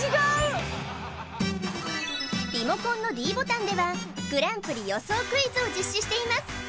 リモコンのｄボタンではグランプリ予想クイズを実施しています